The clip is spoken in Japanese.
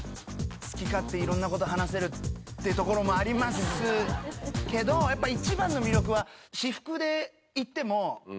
好き勝手いろんなこと話せるってところもありますけどやっぱ一番の魅力は。